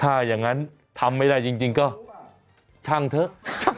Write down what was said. ถ้าอย่างนั้นทำไม่ได้จริงก็ช่างเถอะ